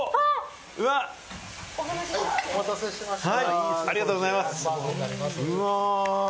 お待たせしました。